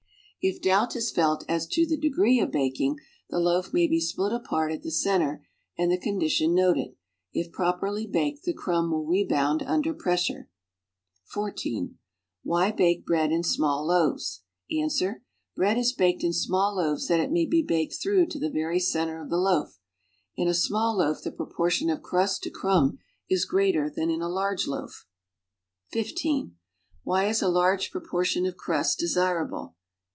If doubt is felt as to the degree of baking, the loaf may be split apart at the center and the condition noted; if iiroperly baked, the crumb will rebound under pressure. (14) Why bake bread in small loaves? Ans. Bread is baked in small loaves that it may be baked through to the very center of the loaf. In aismall loaf the proportion of crust to crumb is greater than in a large loaf. (15) Why is a large proportion of crust desiraljle?